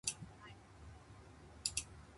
霧が晴れる。